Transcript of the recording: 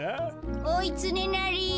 おいつねなり。